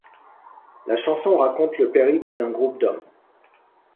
La chanson raconte le périple d'un groupe d'hommes.